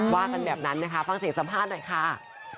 ว่ากันแบบนั้นนะคะฟังเสียงสัมภาษณ์หน่อยค่ะ